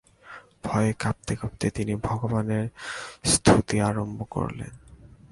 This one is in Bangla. ভয়ে কাঁপতে কাঁপতে তিনি ভগবানের স্তুতি আরম্ভ করলেন।